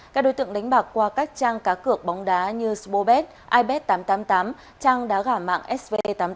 các đối tượng đánh bạc qua các trang cá cực bóng đá như spobet ipad tám trăm tám mươi tám trang đá gả mạng sv tám mươi tám